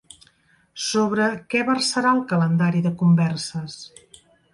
Sobre què versarà el calendari de converses?